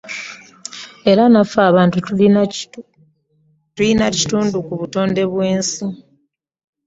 Era nnaffe abantu tuli kitundu ku butonde bwensi.